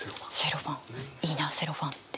いいなセロファンって。